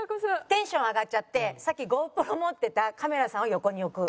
テンション上がっちゃってさっきＧｏＰｒｏ持ってたカメラさんを横に置く。